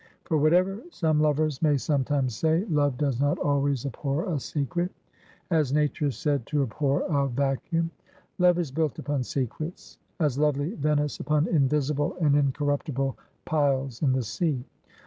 For, whatever some lovers may sometimes say, love does not always abhor a secret, as nature is said to abhor a vacuum. Love is built upon secrets, as lovely Venice upon invisible and incorruptible piles in the sea.